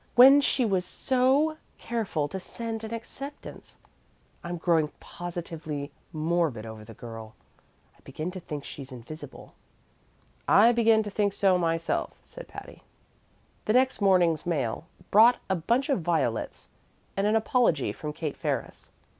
when she was so careful to send an acceptance. I'm growing positively morbid over the girl; I begin to think she's invisible." "I begin to think so myself," said Patty. The next morning's mail brought a bunch of violets and an apology from Kate Ferris.